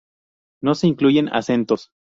No se incluyen acentos.